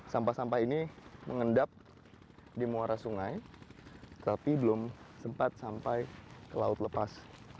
sampah sampah ini mengendap di muara sungai tapi belum sempat sampai ke laut lepas